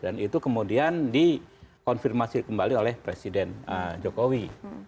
dan itu kemudian dikonfirmasi kembali oleh presiden jokowi